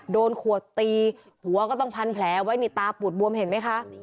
โดนขวดตีหัวก็ต้องพันแผลไว้นี่ตาปูดบวมเห็นไหมคะ